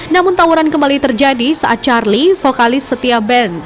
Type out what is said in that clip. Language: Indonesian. namun tawuran kembali terjadi saat charlie vokalis setia band